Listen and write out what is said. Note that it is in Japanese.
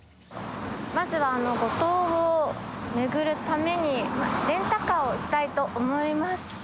まずは五島を巡るためにレンタカーをしたいと思います。